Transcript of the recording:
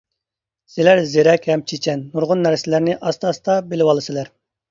سىلەر زېرەك ھەم چېچەن، نۇرغۇن نەرسىلەرنى ئاستا-ئاستا بىلىۋالىسىلەر.